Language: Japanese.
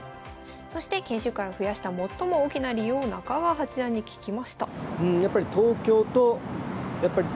そして研修会を増やした最も大きな理由を中川八段に聞きました。